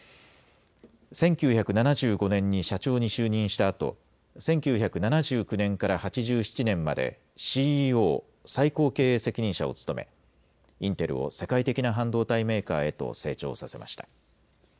１９７５年に社長に就任したあと１９７９年から８７年までＣＥＯ・最高経営責任者を務めインテルを世界的な半導体メーカーへと成長させました。